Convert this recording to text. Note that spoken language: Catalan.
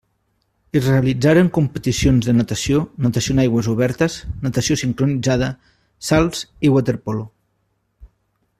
Es realitzaren competicions de natació, natació en aigües obertes, natació sincronitzada, salts i waterpolo.